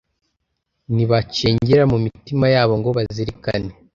ntibacengera mu mitima yabo ngo bazirikane